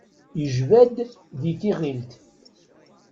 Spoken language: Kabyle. Ijba-d di tiɣilt.